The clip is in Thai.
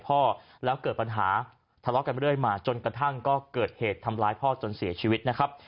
พ่อแล้วเกิดปัญหาทะเลาะกันเรื่อยมาจนกระทั่งก็เกิดเหตุทำร้ายพ่อจนเสียชีวิตนะครับ